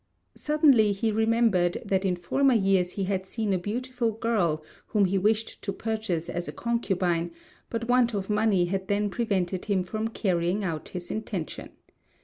Suddenly he remembered that in former years he had seen a beautiful girl whom he wished to purchase as a concubine, but want of money had then prevented him from carrying out his intention.